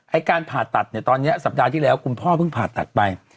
การผ่าตัดเนี่ยตอนนี้สัปดาห์ที่แล้วคุณพ่อเพิ่งผ่าตัดไป